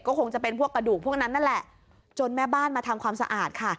ก็คงจะเป็นพวกกระดูกพวกนั้นนั่นแหละจนแม่บ้านมาทำความสะอาดค่ะ